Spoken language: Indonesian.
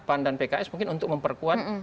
pan dan pks mungkin untuk memperkuat